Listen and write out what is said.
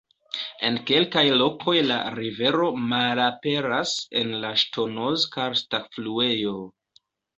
En kelkaj lokoj la rivero "malaperas" en la ŝtonoz-karsta fluejo.